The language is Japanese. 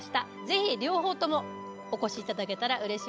ぜひ両方ともお越しいただけたらうれしいです。